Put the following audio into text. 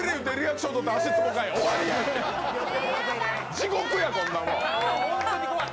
地獄や、こんなもん！